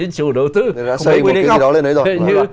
chủ đầu tư